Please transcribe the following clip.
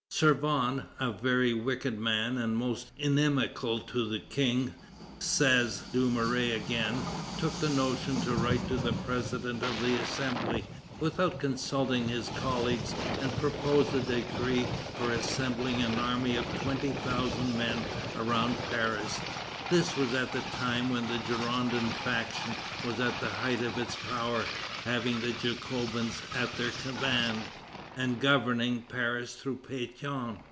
"Servan, a very wicked man and most inimical to the King," says Dumouriez again, "took the notion to write to the President of the Assembly, without consulting his colleagues, and propose a decree for assembling an army of twenty thousand men around Paris. This was at the time when the Girondin faction was at the height of its power, having the Jacobins at their command, and governing Paris through Pétion.